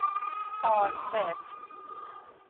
آرسِس